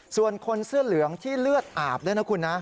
ส่วนคนเสื้อเหลืองที่เลือดอาบด้วยนะคุณนะ